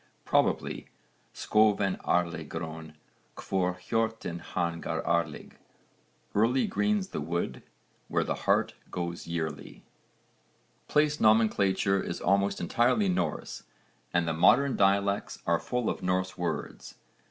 probably Skoven årle grön Hvor hjorten han går årlig = 'Early green's the wood where the hart goes yearly.' Place nomenclature is almost entirely Norse and the modern dialects are full of Norse words.